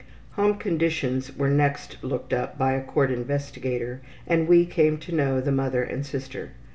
'' Home conditions were next looked up by a court investigator and we came to know the mother and sister.